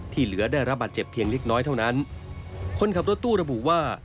เหลือได้รับบาดเจ็บเพียงเล็กน้อยเท่านั้นคนขับรถตู้ระบุว่า